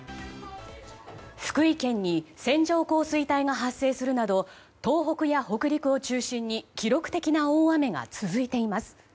福井県に線状降水帯が発生するなど東北や北陸を中心に記録的な大雨が続いています。